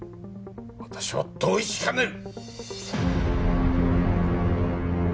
私は同意しかねる！